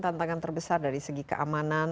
tantangan terbesar dari segi keamanan